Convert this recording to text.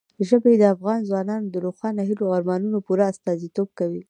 ژبې د افغان ځوانانو د روښانه هیلو او ارمانونو پوره استازیتوب کوي.